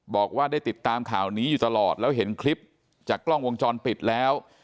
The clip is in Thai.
บอกว่าได้ติดตามข่าวนี้อยู่ตลอดแล้วเห็นคลิปจากกล้องวงจรปิดแล้ว